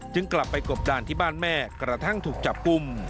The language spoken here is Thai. กลับไปกบดานที่บ้านแม่กระทั่งถูกจับกลุ่ม